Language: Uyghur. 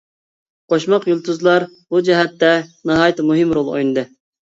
قوشماق يۇلتۇزلار بۇ جەھەتتە ناھايىتى مۇھىم رول ئوينىدى.